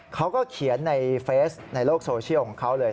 เขาก็เขียนในเฟซในโลกโซเชียลของเขาเลย